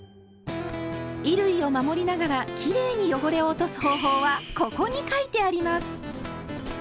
衣類を守りながらきれいに汚れを落とす方法は「ここ」に書いてあります！